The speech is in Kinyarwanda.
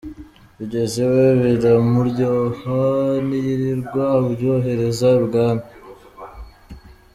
Bigeze iwe biramuryoha ntiyirirwa abyohereza i Bwami.